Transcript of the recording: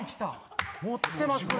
持ってますね